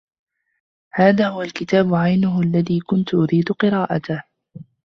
هذا هو الكتاب عينه الذي كنت أريد قراءته.